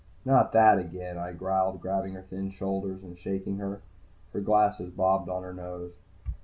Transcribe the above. "Not that again!" I growled, grabbing her thin shoulders and shaking her. Her glasses bobbled on her nose.